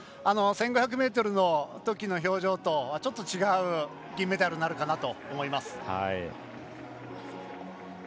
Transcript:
１５００ｍのときの表情とはちょっと違う銀メダルになるかなと思います。